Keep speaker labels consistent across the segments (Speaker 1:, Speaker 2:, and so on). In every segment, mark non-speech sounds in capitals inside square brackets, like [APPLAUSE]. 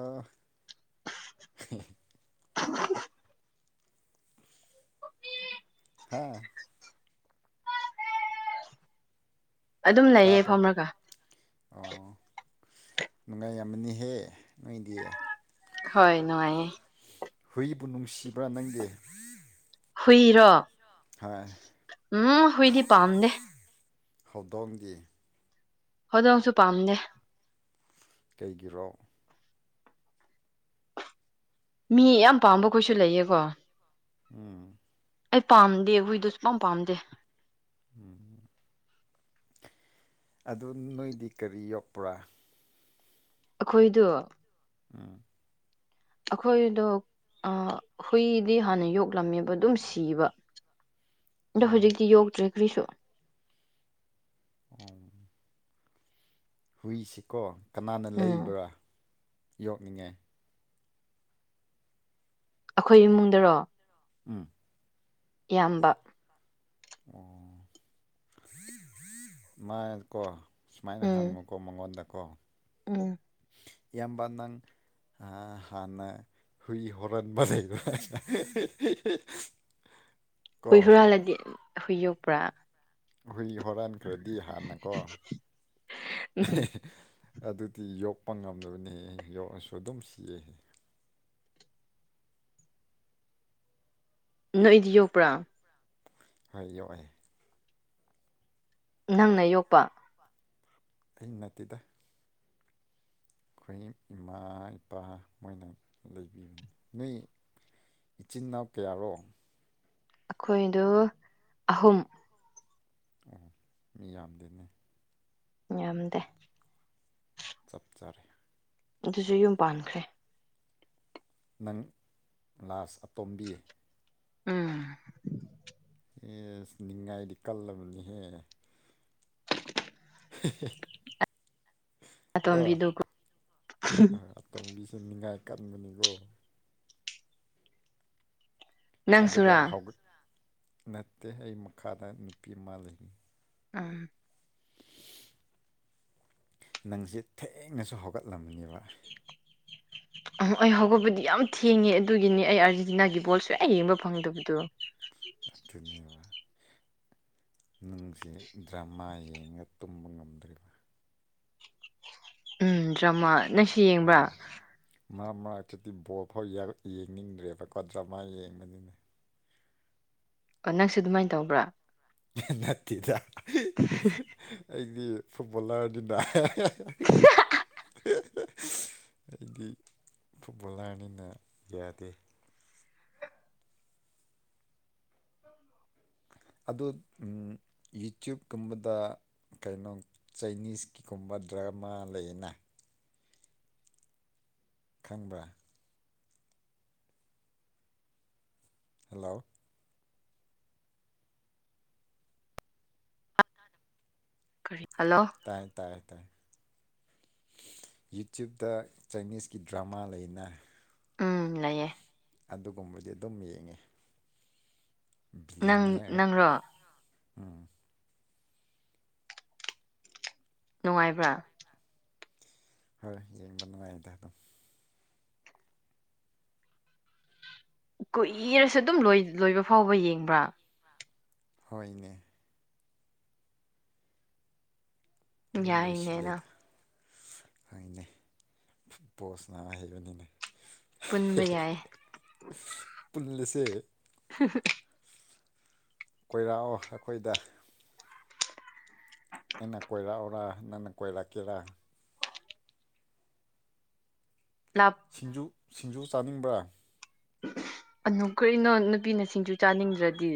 Speaker 1: ꯑꯥ ꯍꯦ ꯍꯦ ꯍꯥꯥ
Speaker 2: ꯑꯗꯨꯝ ꯂꯩꯌꯦ
Speaker 1: ꯇꯥꯕ꯭ꯔꯣ
Speaker 2: ꯐꯝꯔꯒ
Speaker 1: ꯑꯣ ꯅꯨꯡꯉꯥꯏ ꯌꯥꯝꯃꯅꯤꯍꯦ ꯅꯣꯏꯗꯤ
Speaker 2: ꯍꯣꯏ ꯅꯨꯡꯉꯥꯏꯌꯦ
Speaker 1: ꯍꯨꯏꯕꯨ ꯅꯨꯡꯁꯤꯕ꯭ꯔꯥ ꯅꯪꯒꯤ
Speaker 2: ꯍꯨꯏꯔꯣ ꯎꯝ ꯍꯨꯏꯗꯤ ꯄꯥꯝꯗꯦ
Speaker 1: ꯍꯧꯗꯣꯡꯗꯤ
Speaker 2: ꯍꯣꯗꯣꯡꯁꯨ ꯄꯥꯝꯗꯦ
Speaker 1: ꯀꯩꯒꯤꯔꯣ
Speaker 2: ꯃꯤ ꯌꯥꯝ ꯄꯥꯝꯕꯈꯩꯁꯨ ꯂꯩꯌꯦꯀꯣ
Speaker 1: ꯎꯝ
Speaker 2: ꯑꯩ ꯄꯥꯝꯗꯦ ꯍꯨꯏꯗꯨ ꯁꯨꯄꯥꯝ ꯄꯥꯝꯗꯦ
Speaker 1: ꯎꯝ ꯑꯗꯨ ꯅꯣꯏꯗꯤ ꯀꯔꯤ ꯌꯣꯛꯄ꯭ꯔꯥ
Speaker 2: ꯑꯈꯣꯏꯗꯣ
Speaker 1: ꯎꯝ
Speaker 2: ꯑꯈꯣꯏꯗꯣ ꯑꯥ ꯍꯨꯏꯗꯤ ꯍꯥꯟꯅ ꯌꯣꯛꯂꯝꯃꯦꯕ ꯑꯗꯨꯝ ꯁꯤꯕ ꯑꯗꯣ
Speaker 1: ꯑꯣ
Speaker 2: ꯍꯧꯖꯤꯛꯇꯤ ꯌꯣꯛꯇ꯭ꯔꯦ ꯀ꯭ꯔꯤꯁꯨ
Speaker 1: ꯑꯣ ꯍꯨꯏꯁꯤꯀꯣ ꯀꯅꯥꯅ
Speaker 2: ꯎꯝ
Speaker 1: ꯂꯩꯕ꯭ꯔꯥ ꯌꯣꯛꯅꯤꯡꯉꯦ
Speaker 2: ꯑꯈꯣꯏ ꯏꯃꯨꯡꯗꯔꯣ
Speaker 1: ꯎꯝ
Speaker 2: ꯏꯌꯥꯝꯕ
Speaker 1: ꯑꯣ ꯃꯥꯀꯣ ꯁꯨꯃꯥꯏꯅ
Speaker 2: ꯎꯝ
Speaker 1: ꯍꯪꯉꯨꯀꯣ ꯃꯉꯣꯟꯗꯀꯣ
Speaker 2: ꯎꯝ
Speaker 1: ꯏꯌꯥꯝꯕ ꯅꯪ ꯍꯥꯟꯅ ꯍꯨꯏ ꯍꯣꯔꯥꯟꯕ ꯂꯩꯕ꯭ꯔ ꯍꯤ ꯍꯤ ꯍꯤ
Speaker 2: ꯍꯨꯏ ꯍꯨꯔꯥꯜꯂꯗꯤ ꯍꯨꯏ ꯌꯣꯛꯄ꯭ꯔ
Speaker 1: ꯍꯨꯏ ꯍꯨꯔꯥꯟꯈ꯭ꯔꯗꯤ ꯍꯥꯟꯅꯀꯣ
Speaker 2: ꯎꯝ
Speaker 1: ꯍꯦ ꯍꯦ ꯑꯗꯨꯗꯤ ꯌꯣꯛꯄ ꯉꯝꯗꯕꯅꯦ ꯌꯣꯛꯑꯁꯨ ꯑꯗꯨꯝ ꯁꯤꯌꯦ
Speaker 2: ꯅꯣꯏꯗꯤ ꯌꯣꯛꯄ꯭ꯔꯥ
Speaker 1: ꯍꯣꯏ ꯌꯣꯛꯑꯦ
Speaker 2: ꯅꯪꯅ ꯌꯣꯛꯄ
Speaker 1: ꯑꯩ ꯅꯠꯇꯦꯗ ꯑꯩꯈꯣꯏ ꯏꯃꯥ ꯏꯄꯥ ꯃꯣꯏꯅ ꯂꯩꯕꯤꯕꯅꯦ ꯅꯣꯏ ꯏꯆꯤꯟ ꯏꯅꯥꯎ ꯀꯌꯥꯔꯣ
Speaker 2: ꯑꯩꯈꯣꯏꯗꯣ ꯑꯍꯨꯝ
Speaker 1: ꯑꯣ ꯃꯤ ꯌꯥꯝꯗꯦꯅꯦ
Speaker 2: ꯌꯥꯝꯗꯦ
Speaker 1: ꯆꯞ ꯆꯥꯔꯦ
Speaker 2: ꯑꯗꯨꯁꯨ ꯌꯨꯝ ꯄꯥꯟꯈ꯭ꯔꯦ
Speaker 1: ꯅꯪ ꯂꯥꯁ ꯑꯇꯣꯝꯕꯤ
Speaker 2: ꯎꯝ
Speaker 1: ꯑꯦꯁ ꯅꯤꯡꯉꯥꯏꯗꯤ ꯀꯜꯂꯕꯅꯤꯍꯦ
Speaker 2: [INAUDIBLE]
Speaker 1: ꯍꯦ ꯍꯦ
Speaker 2: ꯑꯇꯣꯝꯕꯤꯗꯣ ꯀ ꯍꯝꯝ
Speaker 1: ꯁꯤ ꯅꯤꯉꯥꯏ ꯀꯟꯕꯅꯤꯀꯣ ꯑꯗꯨꯒ
Speaker 2: ꯅꯪꯁꯨꯔꯥ
Speaker 1: ꯍꯧꯒꯠ ꯅꯠꯇꯦ ꯑꯩ ꯃꯈꯥꯗ ꯅꯨꯄꯤ ꯑꯃ ꯂꯩ
Speaker 2: ꯑꯥ
Speaker 1: ꯅꯪꯁꯦ ꯊꯦꯡꯅꯁꯨ ꯍꯧꯒꯠꯂꯝꯃꯅꯤꯕ [INAUDIBLE]
Speaker 2: ꯑ ꯑꯩ ꯍꯧꯒꯠꯕꯗꯤ ꯌꯥꯝ ꯊꯦꯡꯉꯦ ꯑꯗꯨꯒꯤꯅꯤ ꯑꯩ ꯑꯥꯔꯖꯦꯟꯇꯤꯅꯥꯒꯤ ꯕꯣꯜ ꯁꯨꯛꯌꯦꯡ ꯌꯦꯡꯕ ꯐꯪꯗꯕꯗꯣ
Speaker 1: ꯑꯗꯨꯅꯦꯕ ꯅꯪꯁꯤ ꯗ꯭ꯔꯃꯥ ꯌꯦꯡꯉ ꯇꯨꯝꯕ ꯉꯝꯗ꯭ꯔꯤꯕꯥ
Speaker 2: ꯎꯝ ꯗ꯭ꯔꯃꯥ ꯅꯪꯁꯨ ꯌꯦꯡꯕ꯭ꯔꯥ
Speaker 1: ꯃꯔꯛ ꯃꯔꯛꯇꯗꯤ ꯕꯣꯜ ꯐꯥꯎ ꯌꯦꯡꯅꯤꯡꯗ꯭ꯔꯦꯕꯀꯣ ꯗ꯭ꯔꯃꯥ ꯌꯦꯡꯕꯅꯤꯅ
Speaker 2: ꯑꯣ ꯅꯪꯁꯨ ꯑꯗꯨꯃꯥꯏꯅ ꯇꯧꯕ꯭ꯔꯥ
Speaker 1: ꯍꯍ ꯅꯠꯇꯦꯗ
Speaker 2: [UNINTELLIGIBLE]
Speaker 1: ꯐꯨꯠꯕꯣꯜꯂꯔꯗꯨꯗ ꯍꯍꯍ ꯑꯩꯗꯤ ꯐꯨꯠꯕꯣꯜꯂꯥꯔꯅꯤꯅ ꯌꯥꯗꯦ ꯑꯗꯨ ꯌꯨꯇ꯭ꯌꯨꯞꯀꯨꯝꯕꯗ ꯀꯩꯅꯣ ꯆꯥꯏꯅꯤꯁꯀꯤꯒꯨꯝꯕ ꯗ꯭ꯔꯃꯥ ꯂꯩꯅ ꯈꯪꯕ꯭ꯔ ꯍꯜꯂꯣ
Speaker 2: ꯀꯔꯤ ꯍꯜꯂꯣ
Speaker 1: ꯇꯥꯏ ꯇꯥꯏꯌꯦ ꯇꯥꯏ ꯌꯨꯇ꯭ꯌꯨꯨꯞꯇ ꯆꯥꯏꯅꯤꯁꯀꯤ ꯗ꯭ꯔꯃꯥ ꯂꯩꯅ
Speaker 2: ꯎꯝ ꯂꯩꯌꯦꯦ
Speaker 1: ꯑꯗꯨꯒꯨꯝꯕꯗꯤ ꯑꯗꯨꯝ ꯌꯦꯡꯉꯦ
Speaker 2: ꯅꯪ
Speaker 1: ꯕꯤꯂꯤꯅꯤꯌꯔ
Speaker 2: ꯅꯪꯔꯣ
Speaker 1: ꯎꯝ
Speaker 2: ꯅꯨꯡꯉꯥꯏꯕ꯭ꯔꯥ
Speaker 1: ꯍꯣꯏ ꯌꯦꯡꯕ ꯅꯨꯡꯉꯥꯏꯗ ꯑꯗꯨꯝ
Speaker 2: ꯀꯨꯏꯔꯁꯨ ꯑꯗꯨꯝ ꯂꯣꯢ ꯂꯣꯏꯕ ꯐꯥꯎꯕ ꯌꯦꯡꯕ꯭ꯔꯥ
Speaker 1: ꯍꯣꯏꯅꯦ ꯑꯗꯨꯝ
Speaker 2: ꯌꯥꯏꯅꯦ ꯅ
Speaker 1: ꯂꯣꯏꯁꯤꯜꯂꯦꯗ ꯍꯣꯏꯅꯦ ꯕꯣꯁꯅ ꯍꯥꯏꯕꯅꯤꯅꯥ
Speaker 2: ꯄꯨꯟꯕ ꯌꯥꯏ
Speaker 1: ꯄꯨꯜꯂꯁꯦ
Speaker 2: [UNINTELLIGIBLE]
Speaker 1: ꯀꯣꯏꯔꯛꯑꯣ ꯑꯩꯈꯣꯏꯗ ꯑꯩꯅ ꯀꯣꯏꯔꯛ ꯑꯣꯔꯥ ꯅꯪꯅ ꯀꯣꯏꯔꯛ ꯀꯦꯔꯥ
Speaker 2: ꯂꯥꯞ
Speaker 1: ꯁꯤꯡꯖꯨ ꯁꯤꯡꯖꯨ ꯆꯥꯅꯤꯡꯕ꯭ꯔꯥ
Speaker 2: ꯑꯅꯨ ꯀꯔꯤꯅꯣ ꯅꯨꯄꯤꯅ ꯁꯤꯡꯖꯨ ꯆꯥꯅꯤꯡꯗ꯭ꯔꯗꯤ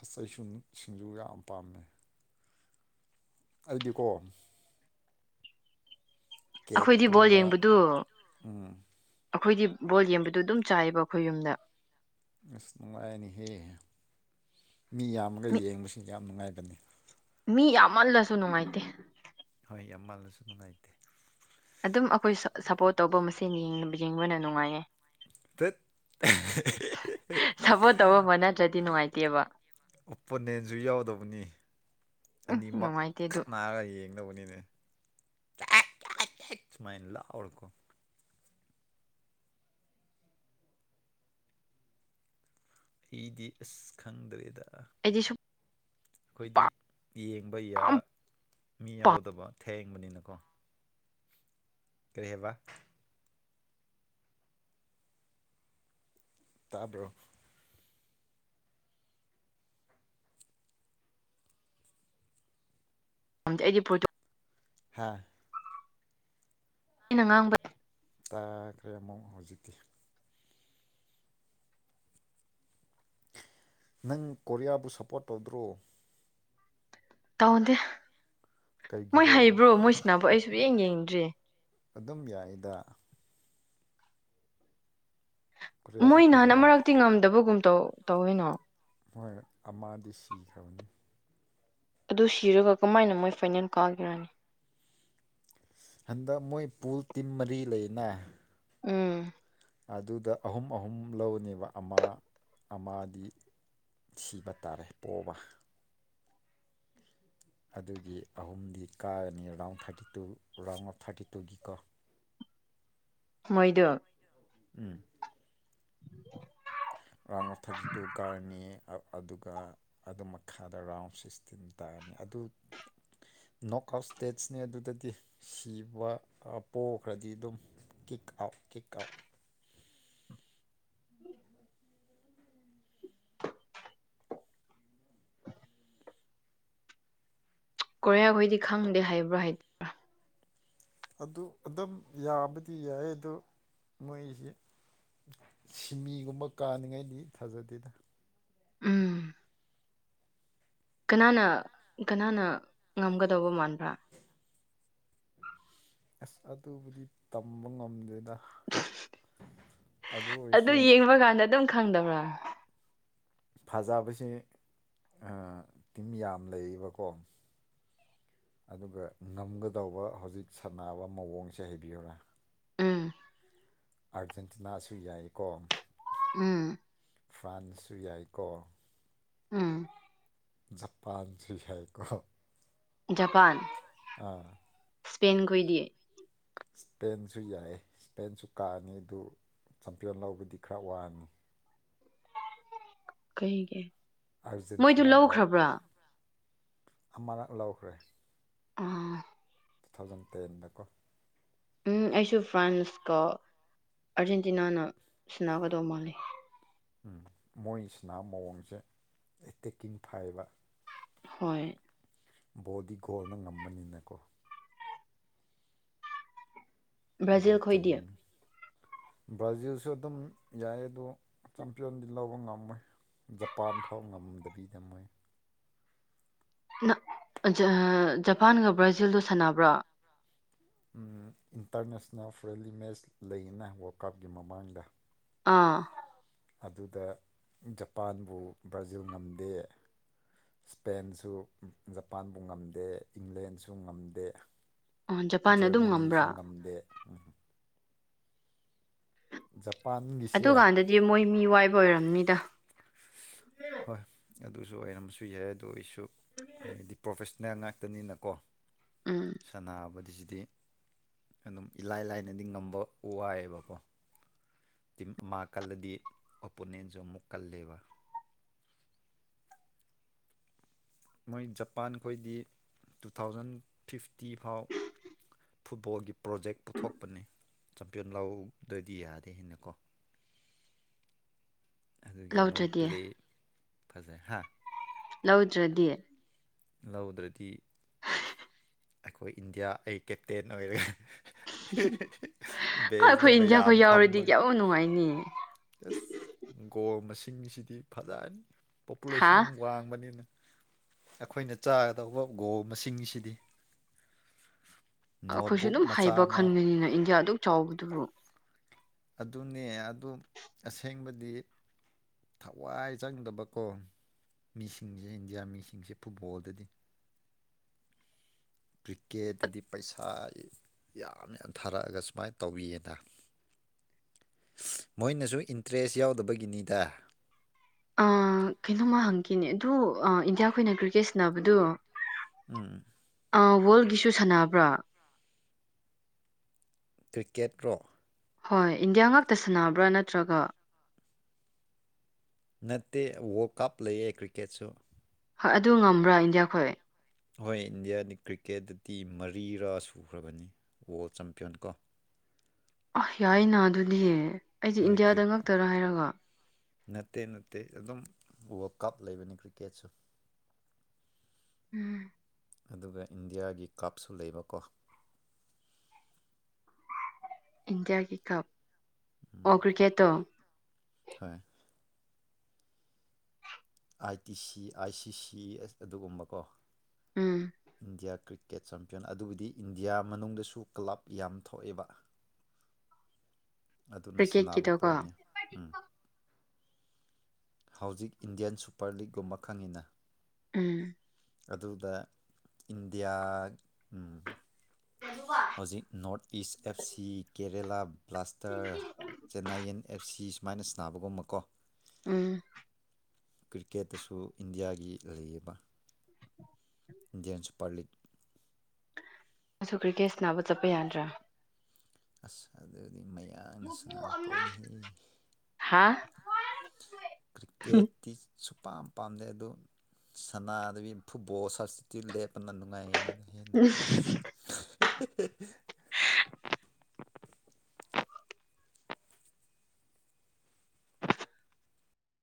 Speaker 1: ꯑꯁ ꯑꯩꯁꯨꯅꯤ ꯁꯤꯡꯖꯨ ꯌꯥꯝ ꯄꯥꯝꯃꯦ ꯑꯩꯗꯤꯀꯣ ꯀꯦꯛ
Speaker 2: ꯑꯩꯈꯣꯏꯗꯤ ꯕꯣꯜ
Speaker 1: ꯀꯨꯝꯕ
Speaker 2: ꯌꯦꯡꯕꯗꯨ
Speaker 1: ꯎꯝ
Speaker 2: ꯑꯩꯈꯣꯏꯗꯤ ꯕꯣꯜ ꯌꯦꯡꯕꯗꯣ ꯑꯗꯨꯝ ꯆꯥꯏꯕ ꯑꯩꯈꯣꯏ ꯌꯨꯝꯗ
Speaker 1: ꯑꯁ ꯅꯨꯡꯉꯥꯏꯔꯅꯤ ꯍꯦ ꯃꯤ ꯌꯥꯝꯃꯒ
Speaker 2: ꯃꯤ
Speaker 1: ꯌꯦꯡꯕꯁꯤ ꯌꯥꯝ ꯅꯨꯡꯉꯥꯏ [UNINTELLIGIBLE]
Speaker 2: ꯃꯤ ꯌꯥꯝꯃꯜꯂꯁꯨ ꯅꯨꯡꯉꯥꯏꯇꯦ
Speaker 1: ꯍꯣꯏ ꯌꯥꯝꯃꯜꯂꯁꯨ ꯅꯨꯡꯉꯥꯏꯇꯦ
Speaker 2: ꯑꯗꯨꯝ ꯑꯩꯈꯣꯏ ꯁꯞꯄꯣꯔꯠ ꯇꯧꯕ ꯃꯁꯦꯟ ꯌꯦꯡ ꯌꯦꯡꯕꯅ ꯅꯨꯡꯉꯥꯏꯌꯦ
Speaker 1: ꯇꯠ ꯍꯦꯍꯦꯍꯦꯍꯦ
Speaker 2: ꯁꯞꯄꯣꯔꯠ ꯇꯧꯕ ꯑꯃ ꯅꯠꯇ꯭ꯔꯗꯤ ꯅꯨꯡꯉꯥꯏꯇꯦꯕ
Speaker 1: ꯑꯣꯄꯣꯅꯦꯟꯖꯨ ꯌꯥꯎꯗꯧꯕꯅꯤ
Speaker 2: ꯎꯝ
Speaker 1: ꯑꯅꯤꯃꯛ
Speaker 2: ꯅꯨꯡꯉꯥꯏꯇꯦ ꯑꯗꯨ
Speaker 1: ꯈꯠ ꯅꯥꯔꯒ ꯌꯦꯡꯅꯕꯅꯤꯅ [UNINTELLIGIBLE] ꯑꯩꯗꯤ ꯑꯁ ꯈꯪꯗ꯭ꯔꯦꯗ
Speaker 2: ꯑꯩꯗꯤ
Speaker 1: ꯑꯩꯈꯣꯏꯗꯤ
Speaker 2: ꯁꯨꯡꯄꯥꯝ
Speaker 1: ꯌꯦꯡꯕ ꯌꯥ ꯃꯤ ꯌꯥꯎꯗꯕ ꯍꯦꯡꯕꯅꯤꯅꯀꯣ ꯀ꯭ꯔꯤ ꯍꯥꯏꯕ ꯇꯥꯕꯔ꯭ꯣ
Speaker 2: ꯗꯤ ꯑꯩꯗꯤ ꯄꯣꯠ
Speaker 1: ꯍꯥꯥ
Speaker 2: ꯑꯩꯅ ꯉꯥꯡꯕ
Speaker 1: ꯇꯥꯈ꯭ꯔꯦ ꯑꯃꯨꯛ ꯍꯧꯖꯤꯛꯇꯤ ꯅꯪ ꯀꯣꯔꯤꯌꯥꯕꯨ ꯁꯞꯄ꯭ꯔꯣꯠ ꯇꯧꯗ꯭ꯔꯣ
Speaker 2: ꯇꯧꯗꯦ ꯃꯣꯏ
Speaker 1: ꯀꯩꯒꯤꯔꯣ
Speaker 2: ꯍꯩꯕ꯭ꯔꯣ ꯃꯣꯏꯁꯥꯅꯕ ꯑꯩ ꯁꯨꯌꯦꯡ ꯌꯦꯡꯗ꯭ꯔꯦ
Speaker 1: ꯑꯗꯨꯝ ꯌꯥꯏꯗ ꯀꯣꯔꯤꯌꯥꯁꯨ
Speaker 2: ꯃꯣꯏ ꯅꯍꯥꯟ
Speaker 1: ꯐꯖꯩ
Speaker 2: ꯑꯃꯔꯛꯇꯤ ꯉꯝꯗꯕꯒꯨꯝ ꯇꯧ ꯇꯧꯋꯦꯅ
Speaker 1: ꯃꯣꯏ ꯑꯃꯗꯤ ꯁꯤꯈ꯭ꯔꯕꯅꯤ
Speaker 2: ꯑꯗꯨ ꯁꯤꯔꯒ ꯀꯃꯥꯏꯅ ꯃꯣꯏ ꯐꯥꯏꯅꯦꯜ ꯀꯥꯒꯦꯔꯅꯦ
Speaker 1: ꯍꯟꯗꯛ ꯃꯣꯏ ꯄꯨꯜ ꯇꯤꯝ ꯃꯔꯤ ꯂꯩꯅ
Speaker 2: ꯎꯝ
Speaker 1: ꯑꯗꯨꯗ ꯑꯍꯨꯝ ꯑꯍꯨꯝ ꯂꯧꯅꯦꯕ ꯑꯃ ꯑꯃꯗꯤ ꯁꯤꯕ ꯇꯥꯔꯦ ꯄꯣꯕ ꯑꯗꯨꯒꯤ ꯑꯍꯨꯝꯗꯤ ꯀꯥꯔꯅꯤ round thirty two round of thirty ꯇꯨꯒꯤ ꯀꯣ
Speaker 2: ꯃꯣꯏꯗꯣ
Speaker 1: ꯎꯝ [UNINTELLIGIBLE] ꯔꯥꯎꯟ ꯑꯣꯐ ꯊꯥꯔꯇꯤ ꯇꯨ ꯀꯥꯔꯅꯤ ꯑꯗꯨꯒ ꯑꯗꯨ ꯃꯈꯥꯗ ꯔꯥꯎꯟ ꯁꯤꯛꯁ꯭ꯇꯤꯟ ꯇꯥꯔꯅꯤ ꯑꯗꯨ ꯅꯣꯛ ꯑꯥꯎꯠ ꯁ꯭ꯇꯦꯠꯁꯅꯦ ꯑꯗꯨꯗꯗꯤ ꯁꯤꯕ ꯄꯣꯈ꯭ꯔꯥꯗꯤ ꯑꯗꯨꯝ ꯀꯤꯛ ꯑꯥꯎꯠ ꯀꯤꯛ ꯑꯥꯎꯠ
Speaker 2: ꯀꯣꯔꯤꯌꯥꯈꯣꯏꯗꯤ ꯈꯪꯗꯦ ꯍꯥꯏꯕ꯭ꯔꯥ ꯍꯥꯏꯇꯕ꯭ꯔꯥ
Speaker 1: ꯑꯗꯨ ꯑꯗꯨꯝ ꯌꯥꯕꯗꯤ ꯌꯥꯏꯌꯦ ꯑꯗꯨ ꯃꯣꯏꯖꯤ ꯁꯤꯃꯤꯒꯨꯝꯕ ꯀꯥꯅꯤꯡꯉꯥꯏꯗꯤ ꯊꯥꯖꯗꯦꯗ
Speaker 2: ꯎꯝ ꯀꯅꯥꯅ ꯀꯅꯥꯅ ꯉꯝꯒꯗꯧꯕ ꯃꯥꯟꯕ꯭ꯔꯥ
Speaker 1: ꯑꯁ ꯑꯗꯨꯕꯨꯗꯤ ꯇꯝꯕ ꯉꯝꯗꯦꯗ
Speaker 2: ꯑꯗꯨ ꯌꯦꯡꯕ ꯀꯥꯟꯗ ꯑꯗꯨꯝ ꯈꯪꯗꯕ꯭ꯔꯥ
Speaker 1: ꯐꯖꯕꯁꯤ ꯑ ꯇꯤꯝ ꯌꯥꯝ ꯂꯩꯌꯦꯕꯀꯣ ꯑꯗꯨꯒ ꯉꯝꯒꯗꯧꯕ ꯍꯧꯖꯤꯛ ꯁꯥꯟꯅꯕ ꯃꯑꯣꯡꯁꯦ ꯍꯥꯏꯕꯤꯌꯨꯔꯥ
Speaker 2: ꯎꯝ
Speaker 1: ꯑꯥꯔꯖꯦꯟꯇꯤꯅꯥꯁꯨ ꯌꯥꯏꯀꯣ
Speaker 2: ꯎꯝ
Speaker 1: ꯐ꯭ꯔꯥꯟꯁ ꯁꯨ ꯌꯥꯏꯀꯣ
Speaker 2: ꯎꯝ
Speaker 1: ꯖꯄꯥꯟꯁꯨ ꯌꯥꯏ ꯀꯣ
Speaker 2: ꯖꯄꯥꯟ
Speaker 1: ꯑꯥ
Speaker 2: ꯁ꯭ꯄꯦꯟ ꯈꯣꯏꯗꯤ
Speaker 1: ꯁꯄꯦꯟꯁꯨ ꯌꯥꯏ ꯁꯄꯦꯟꯁꯨ ꯀꯥꯅꯤ ꯑꯗꯨ ꯆꯝꯄꯤꯌꯟ ꯂꯧꯕꯗꯤ ꯈꯔ ꯋꯥꯅꯤ
Speaker 2: ꯀꯩꯒꯦ ꯃꯣꯏꯗꯨ
Speaker 1: ꯑꯥꯔꯖꯦꯟꯇꯤꯅꯥꯒ
Speaker 2: ꯂꯧꯈ꯭ꯔꯕ꯭ꯔꯥ
Speaker 1: ꯑꯃꯔꯛ ꯂꯧꯈ꯭ꯔꯦ
Speaker 2: ꯑꯥ
Speaker 1: ꯇꯨ ꯊꯥꯎꯖꯟ ꯇꯦꯟꯗꯀꯣ
Speaker 2: ꯎꯝ ꯑꯩꯁꯨ ꯐ꯭ꯔꯥꯟꯁ ꯀ ꯑꯥꯔꯖꯦꯟꯇꯤꯅꯥꯅ ꯁꯅꯥꯒꯗꯧ ꯃꯥꯜꯂꯤ
Speaker 1: ꯃꯣꯏꯁꯤꯅꯥ ꯃꯑꯣꯡꯁꯦ ꯑꯦ ꯇꯦꯛꯀꯤꯡ ꯐꯥꯏꯕ
Speaker 2: ꯍꯣꯏ
Speaker 1: ꯕꯣꯗꯤ ꯀꯣꯜꯅ ꯉꯝꯕꯅꯤꯅꯀꯣ
Speaker 2: ꯕ꯭ꯔꯥꯖꯤꯜ
Speaker 1: ꯒꯣꯜ
Speaker 2: ꯈꯣꯏꯗꯤ
Speaker 1: ꯆꯟꯕꯅꯤ ꯕ꯭ꯔꯥꯖꯤꯜꯁꯨ ꯑꯗꯨꯝ ꯌꯥꯏ ꯑꯗꯣ ꯆꯝꯄꯤꯌꯟꯗꯤ ꯂꯧꯕ ꯉꯝꯃꯣꯏ ꯖꯄꯥꯟ ꯐꯥꯎ ꯉꯝꯗꯕꯤꯗꯃꯣꯏ
Speaker 2: ꯅ ꯑ ꯖ- ꯖꯄꯥꯟꯒ ꯕ꯭ꯔꯥꯖꯤꯜꯗꯣ ꯁꯥꯟꯅꯕ꯭ꯔꯥ
Speaker 1: ꯎꯝ ꯏꯟꯇꯔꯅꯦꯁꯅꯦꯜ ꯐ꯭ꯔꯦꯟꯂꯤ ꯃꯦꯠꯁ ꯂꯩꯌꯦꯅ ꯋꯥꯔꯜ ꯀꯞꯀꯤ ꯃꯃꯥꯡꯗ
Speaker 2: ꯑꯥ
Speaker 1: ꯑꯗꯨꯗ ꯖꯄꯥꯟꯕꯨ ꯕ꯭ꯔꯥꯖꯤꯜ ꯉꯝꯗꯦ ꯏꯁꯄꯦꯟꯁꯨ ꯖꯄꯥꯟꯕꯨ ꯉꯝꯗꯦ ꯏꯪꯂꯦꯟꯁꯨ ꯉꯝꯗꯦ
Speaker 2: ꯑ ꯖꯄꯥꯟꯅ ꯑꯗꯨꯝ ꯉꯝꯕ꯭ꯔꯥ
Speaker 1: ꯖꯔꯃꯅꯤꯁꯨ ꯉꯝꯗꯦ ꯖꯞ
Speaker 2: ꯑꯗꯨꯀꯥꯟꯗꯗꯤ ꯃꯣꯏ ꯃꯤ ꯋꯥꯏꯕ ꯑꯣꯏꯔꯝꯅꯤꯗ
Speaker 1: ꯍꯣꯏ ꯑꯗꯨꯁꯨ ꯑꯣꯏꯔꯝꯕꯁꯨ ꯌꯥꯏ ꯑꯗꯣ ꯑꯩꯁꯨ ꯍꯥꯏꯗꯤ ꯄ꯭ꯔꯣꯐꯦꯁ ꯅꯦꯜ ꯉꯥꯛꯇꯅꯤꯅꯀꯣ
Speaker 2: ꯎꯝ
Speaker 1: ꯁꯥꯅꯕꯗꯤ ꯁꯤ ꯗꯤ ꯑꯗꯨꯝ ꯏꯂꯥꯏ ꯂꯥꯏꯅꯗꯤ ꯉꯝꯕ ꯋꯥꯏꯌꯦꯕꯀꯣ ꯇꯤꯝ ꯃꯥ ꯀꯜꯂꯗꯤ ꯑꯣꯄꯣꯅꯦꯟꯁꯨ ꯑꯃꯨꯛ ꯀꯜꯂꯦꯕ ꯃꯣꯏ ꯖꯄꯥꯟ ꯈꯣꯏꯗꯤ ꯇꯨ ꯊꯥꯎꯖꯟ ꯐꯤꯐꯇꯤ ꯐꯥꯎ ꯐꯨꯠꯕꯣꯜꯒꯤ ꯄ꯭ꯔꯣꯖꯦꯛ ꯄꯨꯊꯣꯛꯄꯅꯦ ꯆꯝꯄꯤꯌꯟ ꯂꯧꯗꯗꯤ ꯌꯥꯗꯦꯅꯀꯣ ꯃꯣꯏ
Speaker 2: ꯂꯧꯗ꯭ꯔꯗꯤ
Speaker 1: ꯄ꯭ꯂꯦ ꯐꯖꯩ ꯍꯥ
Speaker 2: ꯂꯧꯗ꯭ꯔꯗꯤ
Speaker 1: ꯂꯧꯗ꯭ꯔꯗꯤ ꯑꯩꯈꯣꯏ ꯏꯟꯗꯤꯌꯥ ꯑꯩ ꯀꯦꯞꯇꯦꯟ ꯑꯣꯏꯔꯦ ꯕꯦꯁꯇ
Speaker 2: ꯑꯩꯈꯣꯏ
Speaker 1: ꯃꯌꯥꯝ
Speaker 2: ꯏꯟꯗꯤꯌꯥꯈꯣꯏ ꯌꯥꯎꯔꯗꯤ ꯀꯌꯥ ꯅꯨꯡꯉꯥꯏꯅꯤ
Speaker 1: ꯑꯦꯁ ꯒꯣꯜ ꯃꯁꯤꯡꯁꯤꯗꯤ ꯐꯖꯔꯅꯤ ꯄꯣꯄꯨꯂꯦꯁꯟ
Speaker 2: ꯍꯥꯥ
Speaker 1: ꯋꯥꯡꯕꯅꯤꯅ ꯑꯩꯈꯣꯏꯅ ꯆꯥꯒꯗꯧꯕ ꯒꯣꯜ ꯃꯁꯤꯡꯁꯤꯗꯤ
Speaker 2: ꯑꯩꯈꯣꯏꯁꯨ
Speaker 1: ꯅꯣꯠꯕꯨꯛ
Speaker 2: ꯑꯗꯨꯝ
Speaker 1: ꯃꯆꯥ
Speaker 2: ꯍꯩꯕ
Speaker 1: ꯑꯃ
Speaker 2: ꯈꯟꯒꯅꯤꯅ ꯏꯟꯗꯤꯌꯥ ꯑꯗꯨꯛ ꯆꯥꯎꯕꯗꯨꯕꯨ
Speaker 1: ꯑꯗꯨꯅꯦ ꯑꯗꯨ ꯑꯁꯦꯡꯕꯗꯤ ꯊꯋꯥꯏ ꯆꯪꯗꯕꯀꯣ ꯃꯤꯁꯤꯡꯁꯦ ꯏꯟꯗꯤꯌꯥ ꯃꯤꯁꯤꯡꯁꯦ ꯐꯨꯠꯕꯣꯜꯗꯗꯤ ꯀ꯭ꯔꯤꯀꯦꯠꯇꯗꯤ ꯄꯩꯁꯥ ꯌꯥꯝ ꯌꯥꯝ ꯊꯥꯔꯛꯑꯒ ꯁꯨꯃꯥꯏꯅ ꯇꯧꯕꯤꯑꯦꯅ ꯃꯣꯏꯅꯁꯨ ꯏꯟꯇꯔꯦꯁ ꯌꯥꯎꯗꯕꯒꯤꯅꯤꯗ
Speaker 2: ꯑ ꯀꯩꯅꯣꯡꯃ ꯍꯪꯈꯤꯅꯦ ꯑꯗꯨ ꯏꯟꯗꯤꯌꯥꯈꯣꯏꯅ ꯀ꯭ꯔꯤꯀꯦꯠ ꯁꯥꯟꯅꯕꯗꯨ
Speaker 1: ꯎꯝ
Speaker 2: ꯑꯥ ꯋꯥꯔꯜꯒꯤꯁꯨ ꯁꯥꯟꯅꯕ꯭ꯔ
Speaker 1: ꯀ꯭ꯔꯤꯀꯦꯠꯔꯣ
Speaker 2: ꯍꯣꯏ ꯏꯟꯗꯤꯌꯥ ꯉꯥꯛꯇ ꯁꯥꯟꯅꯕ꯭ꯔ ꯅꯠꯇ꯭ꯔꯒ
Speaker 1: ꯅꯠꯇꯦ ꯋꯥꯔꯜ ꯀꯞ ꯂꯩꯌꯦ ꯀ꯭ꯔꯤꯀꯦꯠꯁꯨ
Speaker 2: ꯍꯣꯏ ꯑꯗꯨ ꯉꯝꯕ꯭ꯔꯥ ꯏꯟꯗꯤꯌꯥ ꯈꯣꯏ
Speaker 1: ꯍꯣꯏ ꯏꯟꯗꯤꯌꯥꯗꯤ ꯀ꯭ꯔꯤꯀꯦꯠꯇꯇꯤ ꯃꯔꯤꯔꯥ ꯁꯨꯈ꯭ꯔꯕꯅꯤ ꯋꯥꯔꯜ ꯆꯦꯝꯄꯤꯌꯟ ꯀꯣ
Speaker 2: ꯑ ꯌꯥꯏꯅ ꯑꯗꯨꯅꯤꯌꯦ ꯑꯩꯗꯤ
Speaker 1: ꯍꯣꯏ
Speaker 2: ꯏꯟꯗꯤꯌꯥꯗ
Speaker 1: ꯀ꯭ꯔꯤꯛ
Speaker 2: ꯉꯛꯇꯔ ꯍꯥꯏꯔꯒ
Speaker 1: ꯅꯠꯇꯦ ꯅꯠꯇꯦ ꯑꯗꯨꯝ ꯋꯥꯔꯜ ꯀꯞ ꯂꯩꯕꯅꯤ ꯀ꯭ꯔꯤꯛꯀꯦꯠꯁꯨ
Speaker 2: ꯎꯝ
Speaker 1: ꯑꯗꯨꯒ ꯏꯟꯗꯤꯌꯥꯒꯤ ꯀꯥꯞꯁꯨ ꯂꯩꯕꯀꯣ
Speaker 2: ꯏꯟꯗꯤꯌꯥꯒꯤ ꯀꯞ ꯑꯣ ꯀ꯭ꯔꯤꯀꯦꯠꯇꯣ
Speaker 1: ꯍꯣꯏ ꯑꯥꯏ T C I C C ꯑꯗꯨꯒꯨꯝꯕꯀꯣ
Speaker 2: ꯎꯝ
Speaker 1: ꯏꯟꯗꯤꯌꯥ ꯀ꯭ꯔꯤꯀꯦ ꯀ꯭ꯔꯤꯀꯦꯠ ꯆꯝꯄꯤꯌꯟ ꯑꯗꯨꯕꯨꯗꯤ ꯏꯟꯗꯤꯌꯥ ꯃꯅꯨꯡꯗꯁꯨ ꯀ꯭ꯂꯕ ꯌꯥꯝ ꯊꯣꯛꯑꯦꯕ ꯑꯗꯨꯅ ꯁꯥꯟꯅꯕ
Speaker 2: ꯀ꯭ꯔꯤꯀꯦꯠꯀꯤꯗꯣꯀꯣ
Speaker 1: ꯄꯣꯠꯅꯦ ꯎꯝ ꯍꯧꯖꯤꯛ ꯏꯟꯗꯤꯌꯥꯟ ꯁꯨꯄꯔ ꯂꯤꯒꯒꯨꯝꯕ ꯈꯪꯉꯤꯅ
Speaker 2: ꯎꯝ
Speaker 1: ꯑꯗꯨꯗ ꯏꯟꯗꯤꯌꯥ ꯑꯝ ꯍꯧꯖꯤꯛ north east F C Kerala plaster Chennaiyin F C ꯁꯨꯃꯥꯏꯅ ꯁꯕꯒꯨꯝꯕꯀꯣ
Speaker 2: ꯎꯝ
Speaker 1: ꯀ꯭ꯔꯤꯀꯦꯠꯇꯁꯨ ꯏꯟꯗꯤꯌꯥꯒꯤ ꯂꯩꯌꯦꯕ ꯏꯟꯗꯤꯌꯥꯟ ꯁꯨꯄ꯭ꯔꯂꯤꯛ
Speaker 2: ꯅꯪꯁꯨ ꯀ꯭ꯔꯤꯀꯦꯠ ꯁꯅꯥꯕ ꯆꯠꯄ ꯌꯥꯗ꯭ꯔꯥ
Speaker 1: ꯑꯁ ꯑꯗꯨꯗꯤ ꯃꯌꯥꯡꯅ ꯁꯅꯥ ꯄꯣꯠꯅꯦꯍꯦ
Speaker 2: ꯍꯥ
Speaker 1: ꯀ꯭ꯔꯤꯀꯦꯠ ꯇꯤ ꯄꯥꯝ ꯄꯥꯝꯅꯩ ꯑꯗꯨ ꯁꯅꯥꯗꯕꯤ ꯐꯨꯠꯕꯣꯜ ꯁꯥꯞꯁꯇꯤꯇꯨꯠ ꯂꯦꯞ ꯄꯅ ꯅꯨꯡꯉꯥꯏꯅꯤꯅꯦ ꯍꯦꯟꯅ ꯍꯦꯍꯦꯍꯦ